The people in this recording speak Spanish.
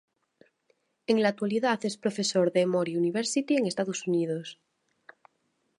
En la actualidad es profesor en Emory University, en Estados Unidos.